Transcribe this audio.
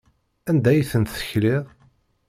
Anda ay ten-tekliḍ?